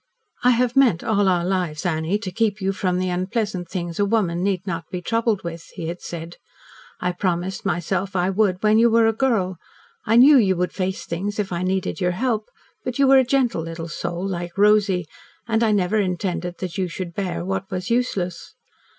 "I have meant all our lives, Annie, to keep from you the unpleasant things a woman need not be troubled with," he had said. "I promised myself I would when you were a girl. I knew you would face things, if I needed your help, but you were a gentle little soul, like Rosy, and I never intended that you should bear what was useless.